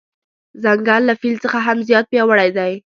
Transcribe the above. ځنګل له فیل څخه هم زیات پیاوړی دی.